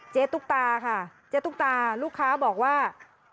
ตุ๊กตาค่ะเจ๊ตุ๊กตาลูกค้าบอกว่า